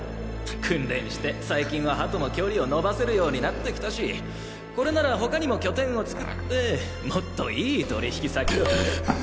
訓練して最近はハトも距離をのばせるようになってきたしこれなら他にも拠点を作ってもっといい取引先と。